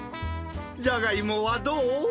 じゃがいもはどう？